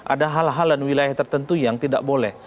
ada hal hal dan wilayah tertentu yang tidak boleh